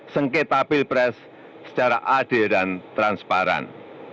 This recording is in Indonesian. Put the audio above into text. sengketa pilpres secara adil dan transparan